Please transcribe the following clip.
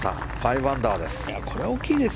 ５アンダーです。